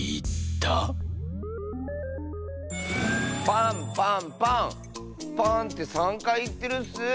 パンパンパンパンって３かいいってるッス。